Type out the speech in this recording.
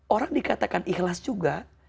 orang dikatakan ikhlas juga